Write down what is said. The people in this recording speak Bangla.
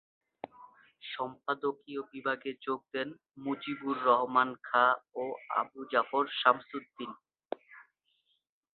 সম্পাদকীয় বিভাগে যোগ দেন মুজীবুর রহমান খাঁ ও আবু জাফর শামসুদ্দীন।